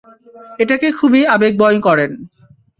এটাকে খুবই আবেগময় করেন।